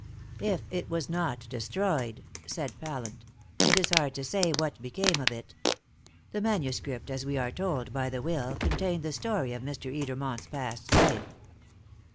"If it was not destroyed," said Pallant, "it is hard to say what became of it. The manuscript, as we are told by the will, contained the story of Mr. Edermont's past life.